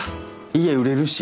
家売れるし。